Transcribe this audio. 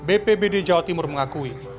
bpbd jawa timur mengakui